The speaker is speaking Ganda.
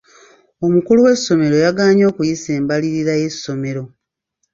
Omukulu w'essomero yagaanye okuyisa embalirira y'essomero.